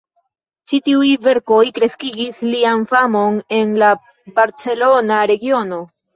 Ĉi tiuj verkoj kreskigis lian famon en la barcelona regiono.